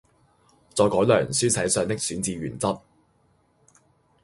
再改良書寫上嘅選字原則